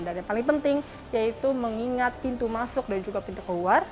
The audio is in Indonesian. dan yang paling penting yaitu mengingat pintu masuk dan juga pintu keluar